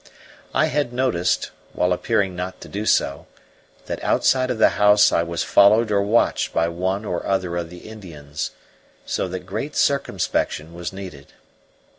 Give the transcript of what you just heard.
I had noticed, while appearing not to do so, that outside of the house I was followed or watched by one or other of the Indians, so that great circumspection was needed.